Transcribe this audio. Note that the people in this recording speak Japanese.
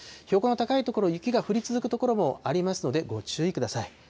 標高の高い所、雪が降り続く所もありますので、ご注意ください。